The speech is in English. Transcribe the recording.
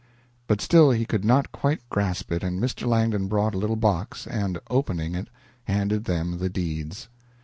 But still he could not quite grasp it, and Mr. Langdon brought a little box and, opening it, handed them the deeds.